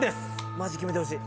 マジ決めてほしい。